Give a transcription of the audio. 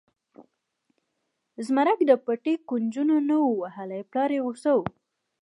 زمرک د پټي کونجونه نه و وهلي پلار یې غوسه و.